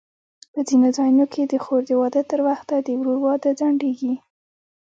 په ځینو ځایونو کې د خور د واده تر وخته د ورور واده ځنډېږي.